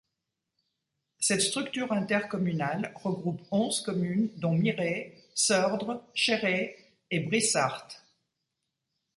Cette structure intercommunale regroupe onze communes dont Miré, Sœurdres, Cherré et Brissarthe.